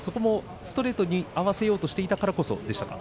ストレートに合わせようとしていたからこそでしたか？